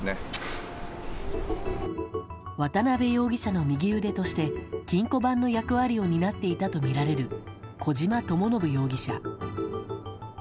渡辺容疑者の右腕として金庫番の役割を担っていたとみられる小島智信容疑者。